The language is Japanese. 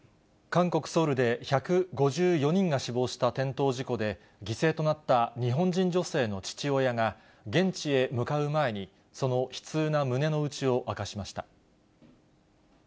韓国・ソウルで１５４人が死亡した転倒事故で、犠牲となった日本人女性の父親が、現地へ向かう前に、その悲痛な胸の内を明かしました。